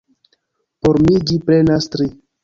Por mi ĝi prenas tri.